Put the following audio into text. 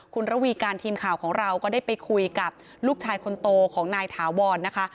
คุณระวีการทีมข่าวของเราก็ได้ไปคุยกับลูกชายคนโตของนายถาวรนะคะ